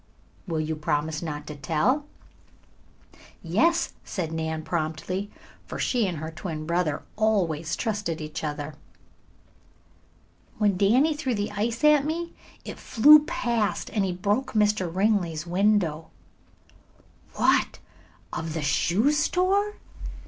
"Will you promise not to tell?" "Yes," said Nan promptly, for she and her twin brother always trusted each other. "When Danny threw the ice at me it flew past and broke Mr. Ringley's window." "What, of the shoe store?"